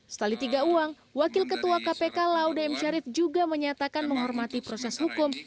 setelah di tiga uang wakil ketua kpk laudem syarif juga menyatakan menghormati proses hukum